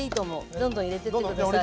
どんどん入れてって下さい。